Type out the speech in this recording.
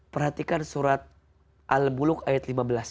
perhatikan surat al buluk ayat lima belas